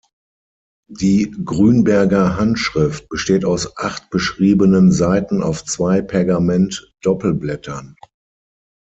Die Grünberger Handschrift besteht aus acht beschriebenen Seiten auf zwei Pergament-Doppelblättern.